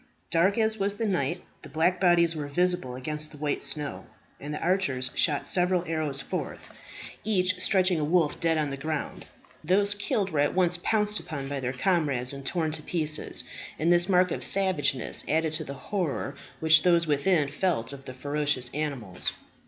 Dark as was the night, the black bodies were visible against the white snow, and the archers shot several arrows forth, each stretching a wolf dead on the ground. Those killed were at once pounced upon by their comrades, and torn to pieces; and this mark of savageness added to the horror which those within felt of the ferocious animals.